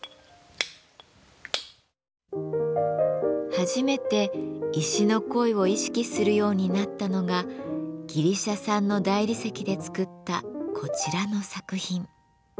初めて「石の声」を意識するようになったのがギリシャ産の大理石で作ったこちらの作品。